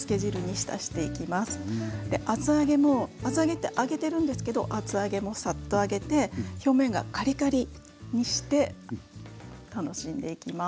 で厚揚げも厚揚げって揚げてるんですけど厚揚げもサッと揚げて表面がカリカリにして楽しんでいきます。